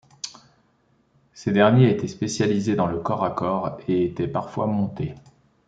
Ces derniers étaient spécialisés dans le corps à corps et étaient parfois montés.